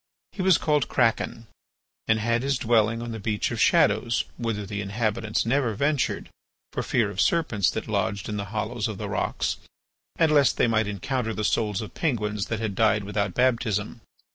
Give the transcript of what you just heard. He was called Kraken, and had his dwelling on the Beach of Shadows whither the inhabitants never ventured for fear of serpents that lodged in the hollows of the rocks and lest they might encounter the souls of Penguins that had died without baptism.